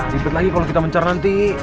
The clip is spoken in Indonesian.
dipet lagi kalau kita mencar nanti